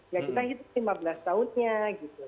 ya kita hitung lima belas tahunnya gitu